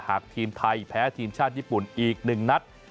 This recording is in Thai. ทีมไทยแพ้ทีมชาติญี่ปุ่นอีก๑นัด